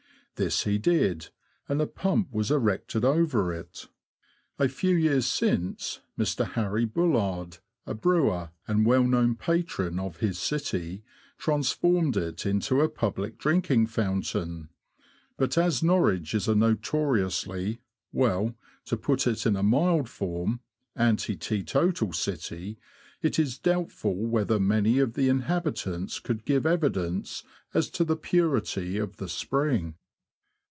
This he did, and a pump was erected over it. A few years since, Mr. Harry BuUard, a brewer, and well known patron of his city, transformed it into a public drinking fountain ; but as Norwich is a notori ously — well, to put it in a mild form — anti teetotal city, it is doubtful whether many of the inhabitants could give evidence as to the purity of the spring.